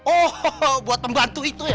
oh buat pembantu itu